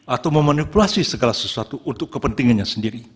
atau memanipulasi segala sesuatu untuk kepentingannya sendiri